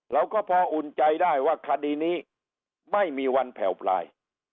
เราก็พออุ่นใจได้ว่าคดีนี้ไม่มีวันแผ่วปลาย